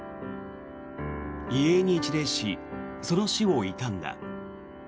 遺影に一礼し、その死を悼んだ。